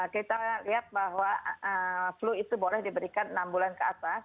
kita lihat bahwa flu itu boleh diberikan enam bulan ke atas